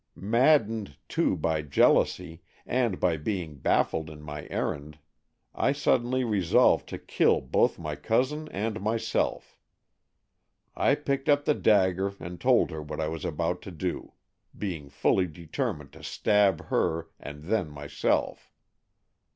Maddened, too, by jealousy, and by being baffled in my errand, I suddenly resolved to kill both my cousin and myself. I picked up the dagger and told her what I was about to do, being fully determined to stab her and then myself.